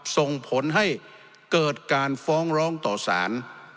ส่งผลให้เกิดการฟ้องร้องต่อสาร